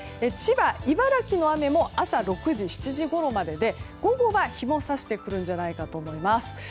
千葉、茨城の雨も朝６時、７時ごろまでで午後は日も差してくるんじゃないかと思います。